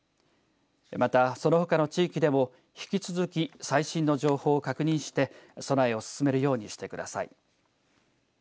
また、その他の地域でも引き続き最新の情報を確認して備えを進めるようにしてください。